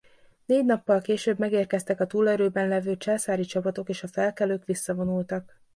Négy nappal később megérkeztek a túlerőben levő császári csapatok és a felkelők visszavonultak.